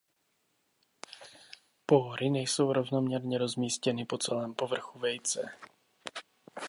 Póry nejsou rovnoměrně rozmístěny po celém povrchu vejce.